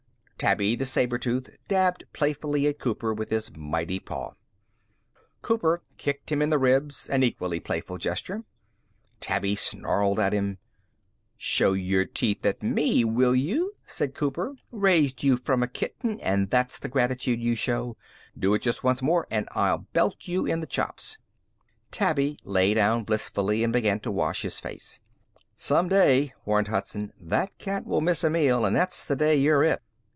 XIII Tabby, the saber tooth, dabbed playfully at Cooper with his mighty paw. Cooper kicked him in the ribs an equally playful gesture. Tabby snarled at him. "Show your teeth at me, will you!" said Cooper. "Raised you from a kitten and that's the gratitude you show. Do it just once more and I'll belt you in the chops." Tabby lay down blissfully and began to wash his face. "Some day," warned Hudson, "that cat will miss a meal and that's the day you're it."